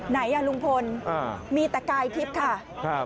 ไหนลุงพลมีแต่กายทริปค่ะ